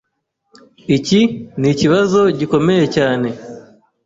Iki nikibazo gikomeye cyane.